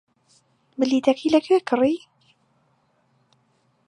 بلیتەکەی لەکوێ کڕی؟